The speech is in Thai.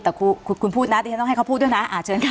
แต่คุณพูดน่ะก็ต้องให้เขาพูดด้วยนะ